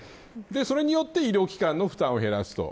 それによって医療機関の負担を減らすと。